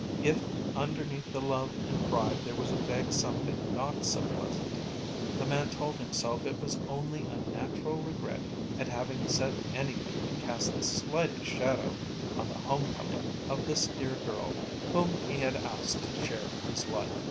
If underneath the love and pride there was a vague something not so pleasant, the man told himself it was only a natural regret at having said anything to cast the slightest shadow on the home coming of this dear girl whom he had asked to share his life.